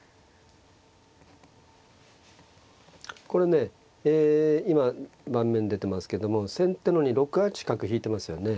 これねえ今盤面出てますけども先手のね６八角引いてますよね。